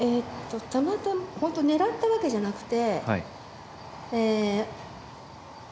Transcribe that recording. たまたまホント狙ったわけじゃなくて。